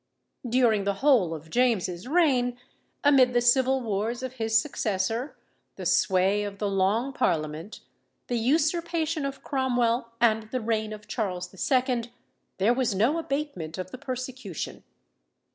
During the whole of James's reign, amid the civil wars of his successor, the sway of the Long Parliament, the usurpation of Cromwell, and the reign of Charles II., there was no abatement of the persecution.